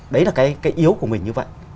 đấy là cái yếu của mình như vậy